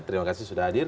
terima kasih sudah hadir